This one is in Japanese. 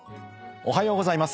おはようございます。